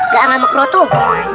gak ada bakso tuh